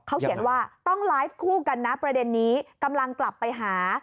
เขาเขียนว่าต้องไลฟ์คู่กันนะประเด็นนี้กำลังกลับไปหา